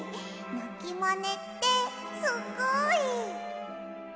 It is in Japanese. なきまねってすっごい！